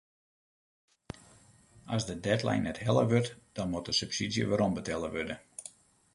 As de deadline net helle wurdt dan moat de subsydzje werombetelle wurde.